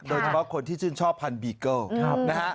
โดยเฉพาะคนที่ชื่นชอบพันธุ์บีเกิ้ล